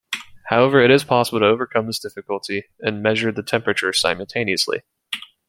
However, it is possible to overcome this difficulty and measure the temperature simultaneously.